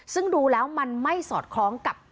ซึ่งดูแล้วมันไม่สอดคล้องกับ